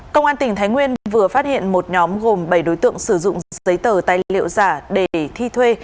công an tỉnh thái nguyên vừa phát hiện một nhóm gồm bảy đối tượng sử dụng giấy tờ tài liệu giả để thi thuê